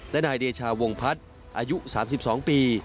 และนายเดชาวงพัฒน์อายุ๓๒ปี